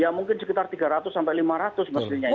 ya mungkin sekitar tiga ratus sampai lima ratus maksudnya ya